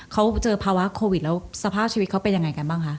คุณเจอภาวะคอวิดแล้วสภาษการณ์ชีวิตเค้าเป็นยังไงกันบ้างคะ